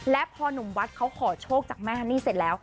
และพอหนุ่มวัดเขาขอโชคจากแม่ฮันนี่เสร็จแล้ว